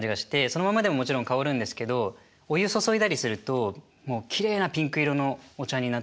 そのままでももちろん香るんですけどお湯注いだりするともうきれいなピンク色のお茶になって。